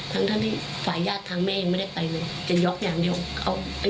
แต่ย้อนอยากเดี๋ยวก็เออย่างไรก็ได้